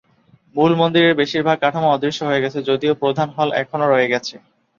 মূল মন্দিরের বেশিরভাগ কাঠামো অদৃশ্য হয়ে গেছে, যদিও প্রধান হল এখনও রয়ে গেছে।